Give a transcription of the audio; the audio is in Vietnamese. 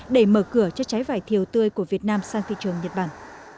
để mở cửa cho trái vải thiều tươi của việt nam sang thị trường nhật bản